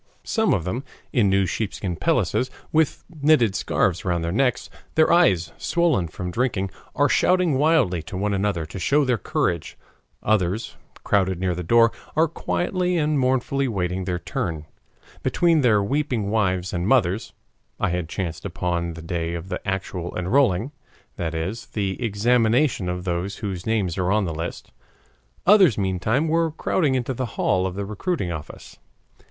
Some of them, in new sheepskin pelisses, with knitted scarves round their necks, their eyes swollen from drinking, are shouting wildly to one another to show their courage; others, crowded near the door, are quietly and mournfully waiting their turn, between their weeping wives and mothers (I had chanced upon the day of the actual enrolling, that is, the examination of those whose names are on the list); others meantime were crowding into the hall of the recruiting office.